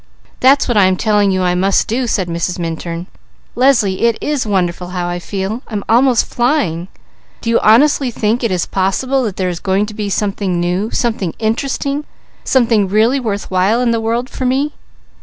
"That's what I am telling you I must do," said Mrs. Minturn. "Leslie, it is wonderful how I feel. I'm almost flying. Do you honestly think it is possible that there is going to be something new, something interesting, something really worth while in the world for me?"